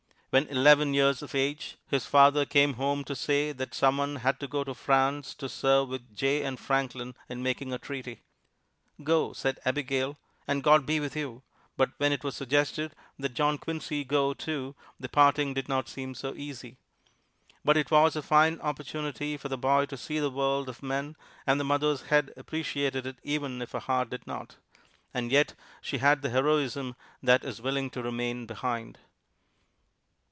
When eleven years of age, his father came home to say that some one had to go to France to serve with Jay and Franklin in making a treaty. "Go," said Abigail, "and God be with you!" But when it was suggested that John Quincy go, too, the parting did not seem so easy. But it was a fine opportunity for the boy to see the world of men, and the mother's head appreciated it even if her heart did not. And yet she had the heroism that is willing to remain behind.